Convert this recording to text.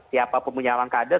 siapa pun menyiapkan kader